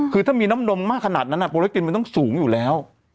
คือถ้ามีน้ำนมมากขนาดนั้นโปรเล็กตินมันต้องสูงอยู่แล้ว